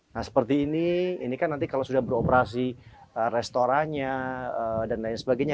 nah seperti ini ini kan nanti kalau sudah beroperasi restorannya dan lain sebagainya